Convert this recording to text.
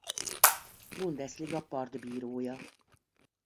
Bundesliga partbírója.